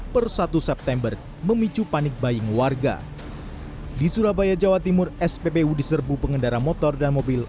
per satu september memicu panik baying warga di surabaya jawa timur spbu diserbu pengendara motor dan mobil